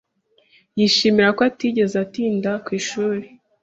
[S] Yishimira ko atigeze atinda ku ishuri.